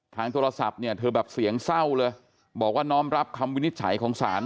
ทางโทรศัพท์เนี่ยเธอแบบเสียงเศร้าเลยบอกว่าน้อมรับคำวินิจฉัยของศาล